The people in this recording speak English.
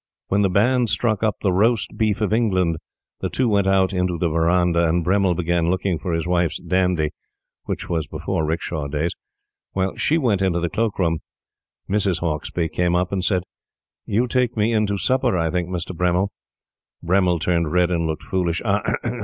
When the band struck up "The Roast Beef of Old England," the two went out into the verandah, and Bremmil began looking for his wife's dandy (this was before 'rickshaw days) while she went into the cloak room. Mrs. Hauksbee came up and said: "You take me in to supper, I think, Mr. Bremmil." Bremmil turned red and looked foolish.